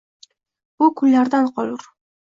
Bu kunlardan qolur